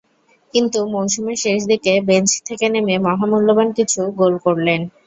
কিন্তু মৌসুমের শেষ দিকে বেঞ্চ থেকে নেমে মহামূল্যবান কিছু গোল করলেন।